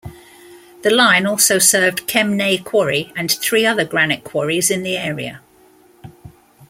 The line also served Kemnay Quarry and three other granite quarries in the area.